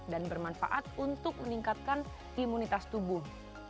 dan bermanfaat untuk meningkatkan imunitas tubuh